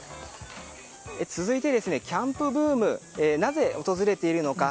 続いて、キャンプブームなぜ訪れているのか。